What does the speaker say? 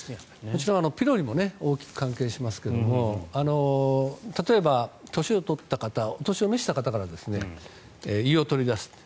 こちらはピロリも大きく関係しますが例えば、年を取った方お年を召した方から胃を取り出す。